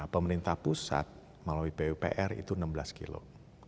pemerintah pusat melalui pupr itu enam belas kilo